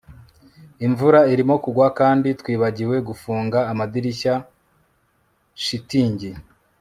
Imvura irimo kugwa kandi twibagiwe gufunga amadirishya shitingi